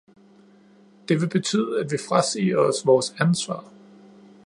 Det vil betyde, at vi frasiger os vores ansvar.